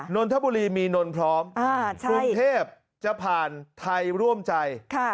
นนทบุรีมีนนพร้อมกรุงเทพจะผ่านไทยร่วมใจ